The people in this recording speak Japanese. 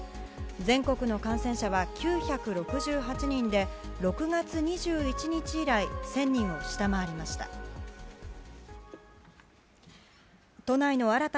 全国の感染者は９６８人で６月２１日以来１０００人を下回りました。